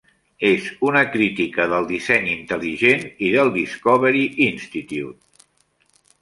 És una crítica del disseny intel·ligent i del Discovery Institute.